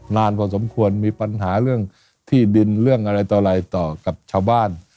นานพอสมควรมีปัญหาเรื่องที่ดินเรื่องอะไรต่ออะไรต่อกับชาวบ้าน